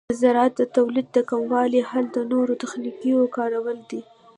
د زراعت د تولید د کموالي حل د نوو تخنیکونو کارول دي.